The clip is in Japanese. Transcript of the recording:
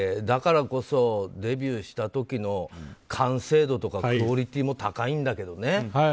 だからこそ、デビューした時の完成度とかクオリティーも高いんだけどね。